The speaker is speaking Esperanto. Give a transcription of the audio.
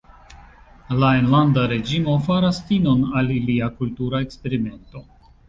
La enlanda reĝimo faras finon al ilia kultura eksperimento.